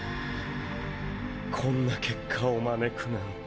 こんな結果を招くなんて。